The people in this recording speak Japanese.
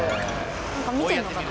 なんか見てるのかな？